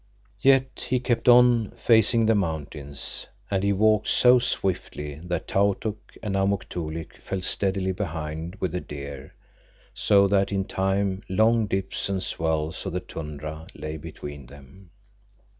Yet he kept on, facing the mountains, and he walked so swiftly that Tautuk and Amuk Toolik fell steadily behind with the deer, so that in time long dips and swells of the tundra lay between them.